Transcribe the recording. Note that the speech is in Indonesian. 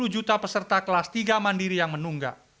satu juta peserta kelas tiga mandiri yang menunggak